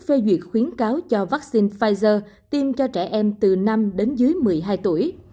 phê duyệt khuyến cáo cho vaccine pfizer tiêm cho trẻ em từ năm đến dưới một mươi hai tuổi